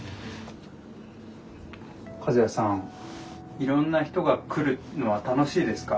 いろんな人が来るのは楽しいですか？